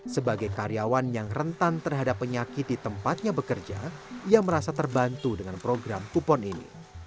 sebagai karyawan yang rentan terhadap penyakit di tempatnya bekerja ia merasa terbantu dengan program kupon ini